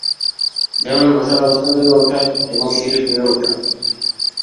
যেমন বসার অবস্থান থেকে উঠা এবং সিঁড়ি বেয়ে উঠা।